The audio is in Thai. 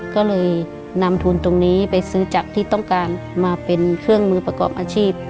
ก็เลยนำทุนตรงนี้ไปซื้อจากที่ต้องการมาเป็นเครื่องมือประกอบอาชีพ